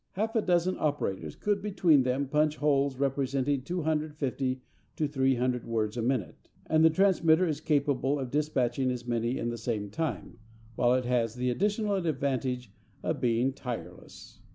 Half a dozen operators could between them punch holes representing 250 to 300 words a minute; and the transmitter is capable of despatching as many in the same time, while it has the additional advantage of being tireless.